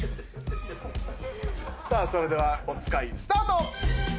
さあそれではおつかいスタート！